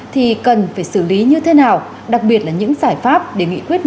thì cần phải xử lý như thế nào đặc biệt là những giải pháp để nghị quyết một trăm hai mươi tám